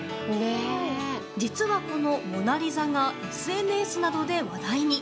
実はこの「モナリザ」がＳＮＳなどで話題に。